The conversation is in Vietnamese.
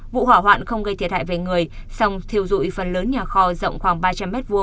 vụ hỏa hoạn không gây thiệt hại về người song thiêu dụi phần lớn nhà kho rộng khoảng ba trăm linh m hai